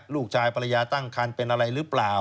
ลูกชายภรรยาตั้งครรภ์เป็นอะไรหรือเปล่า